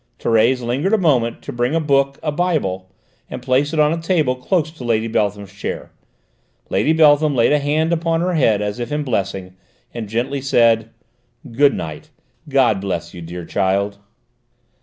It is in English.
Thérèse lingered a moment, to bring a book, a Bible, and place it on a table close to Lady Beltham's chair. Lady Beltham laid a hand upon her head as if in blessing, and said gently: "Good night; God bless you, dear child!"